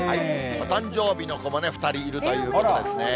お誕生日の子も、２人いるということですね。